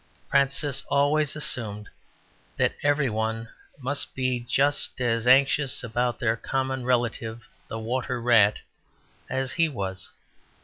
Francis always assumed that everyone must be just as anxious about their common relative, the water rat, as he was.